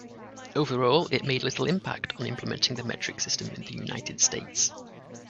Overall, it made little impact on implementing the metric system in the United States.